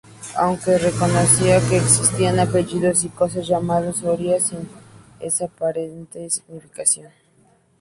Aunque reconocía que existían apellidos y casas llamados Oria sin esa aparente significación.